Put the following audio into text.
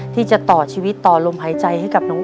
ที่จะต่อชีวิตต่อลมหายใจให้กับน้อง